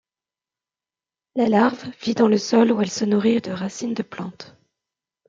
La larve vit dans le sol où elle se nourrit de racines de plantes.